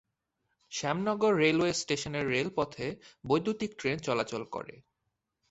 Shyamnagar railway স্টেশনের রেলপথে বৈদ্যুতীক ট্রেন চলাচল করে।